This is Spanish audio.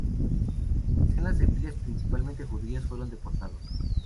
Decenas de miles, principalmente judíos, fueron deportados.